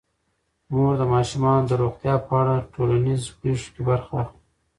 مور د ماشومانو د روغتیا په اړه د ټولنیزو پیښو کې برخه اخلي.